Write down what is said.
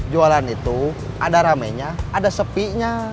jualan itu ada ramenya ada sepinya